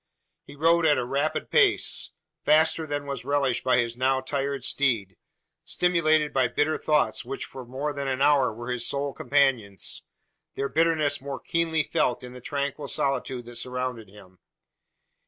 He rode at a rapid pace faster than was relished by his now tired steed stimulated by bitter thoughts, which for more than an hour were his sole companions their bitterness more keenly felt in the tranquil solitude that surrounded him.